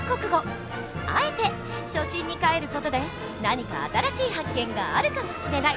あえて初心にかえる事で何か新しい発見があるかもしれない！